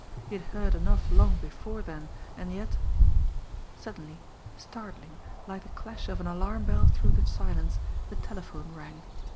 He had heard enough long before then, and yet Suddenly, startling, like the clash of an alarm bell through the silence, the telephone rang.